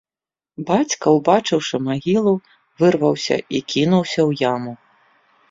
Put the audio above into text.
Бацька, убачыўшы магілу, вырваўся і кінуўся ў яму.